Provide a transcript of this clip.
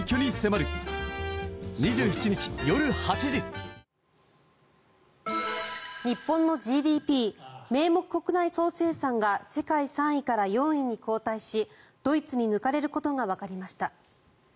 便質改善でラクに出す日本のＧＤＰ・名目国内総生産が世界３位から４位に後退しドイツに抜かれることがわかりました。